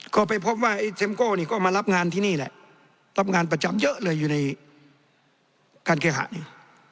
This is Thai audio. ก็ไปพบว่าไอ้เซ็มโก้นี่ก็มารับงานที่นี่แหละรับงานประจำเยอะเลยอยู่ในการเคหะนี่